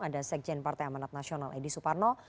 ada sekjen partai amanat nasional edi suparno